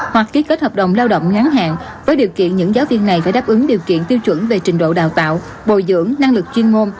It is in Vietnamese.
hoặc ký kết hợp đồng lao động ngắn hạn với điều kiện những giáo viên này phải đáp ứng điều kiện tiêu chuẩn về trình độ đào tạo bồi dưỡng năng lực chuyên môn